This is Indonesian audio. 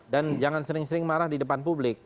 dan jangan sering sering marah di depan publik